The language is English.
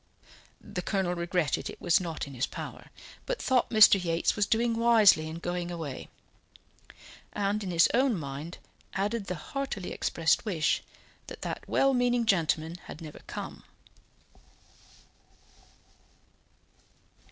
The Colonel regretted it was not in his power, but thought Mr. Yates was doing wisely in going away; and in his own mind added the heartily expressed wish that that well meaning gentleman had never come.